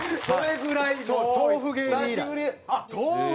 それぐらいもう。